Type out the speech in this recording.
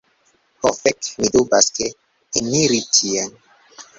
Ho fek' mi dubas, ke eniri tien